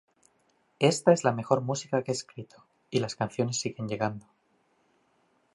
Esta es la mejor música que he escrito, y las canciones siguen llegando.